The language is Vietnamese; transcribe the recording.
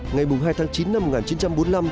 ngày hai tháng chín năm một nghìn chín trăm bốn mươi năm